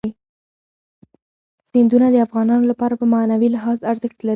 سیندونه د افغانانو لپاره په معنوي لحاظ ارزښت لري.